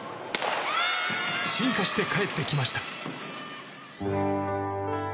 進化して帰ってきました。